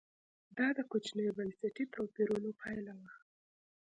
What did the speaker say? دا د کوچنیو بنسټي توپیرونو پایله وه